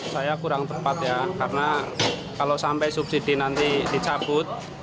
saya kurang tepat ya karena kalau sampai subsidi nanti dicabut